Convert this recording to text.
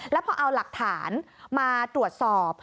แล้วพอเอาหลักฐานมาตรวจสอบ